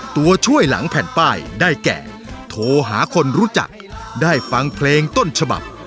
ตัวช่วยหลังแผ่นป้ายได้แก่โทรหาคนรู้จักได้ฟังเพลงต้นฉบับ